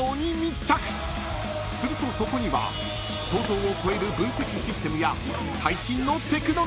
［するとそこには想像を超える分析システムや最新のテクノロジーが］